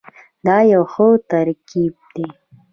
دا یو ښه ترکیب دی.